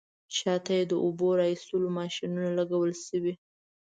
شاته یې د اوبو را ایستلو ماشینونه لګول شوي.